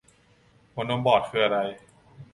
หัวนมบอดคืออะไร